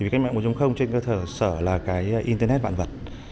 cách mạng bốn trên cơ sở là internet vạn vật